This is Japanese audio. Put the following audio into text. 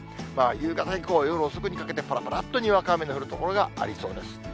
夕方以降、夜遅くにかけて、ぱらぱらっとにわか雨の降る所がありそうです。